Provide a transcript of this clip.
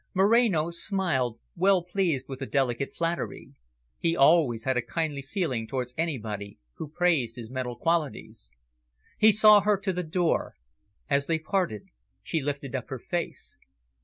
Moreno smiled, well pleased with the delicate flattery. He always had a kindly feeling towards anybody who praised his mental qualities. He saw her to the door. As they parted, she lifted up her face.